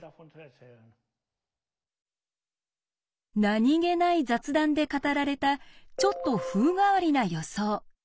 何気ない雑談で語られたちょっと風変わりな予想。